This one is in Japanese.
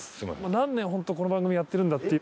何年本当この番組やってるんだっていう。